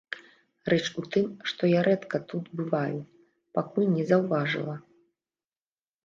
Рэч у тым, што я рэдка тут бываю, пакуль не заўважыла.